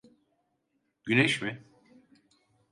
Güneş mi?